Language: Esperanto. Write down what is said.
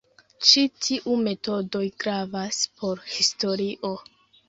Ĉi tiu metodoj gravas por historio.